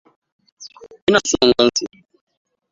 Ina so in gan su!